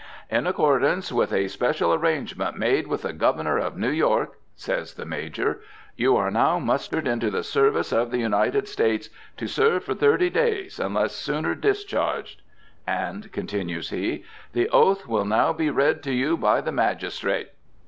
"In accordance with a special arrangement, made with the Governor of New York," says the Major, "you are now mustered into the service of the United States, to serve for thirty days, unless sooner discharged"; and continues he, "The oath will now be read to you by the magistrate."